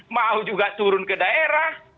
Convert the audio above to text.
mau juga turun ke daerah